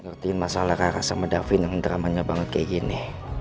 ngertiin masalah rara sama davin yang dramanya banget kayak gini